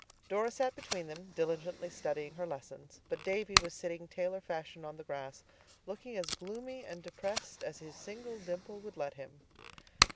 Dora sat between them, diligently studying her lessons; but Davy was sitting tailor fashion on the grass, looking as gloomy and depressed as his single dimple would let him.